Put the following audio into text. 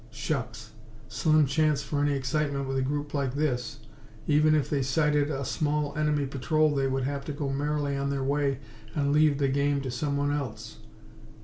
Shucks! Slim chance for any excitement with a group like this. Even if they sighted a small enemy patrol they would have to go merrily on their way and leave the game to someone else.